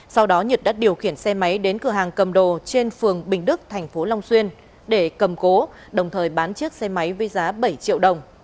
sau đó nhật đã điều khiển xe máy đến cửa hàng cầm đồ trên phường bình đức thành phố long xuyên để cầm cố đồng thời bán chiếc xe máy với giá bảy triệu đồng